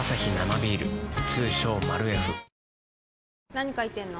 何書いてんの？